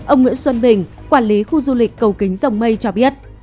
ông nguyễn xuân bình quản lý khu du lịch cầu kính rồng mây cho biết